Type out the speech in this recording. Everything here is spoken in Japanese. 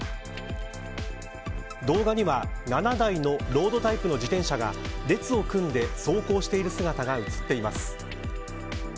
動画には７台のロードタイプの自転車が列を組んで走行している姿が映っています。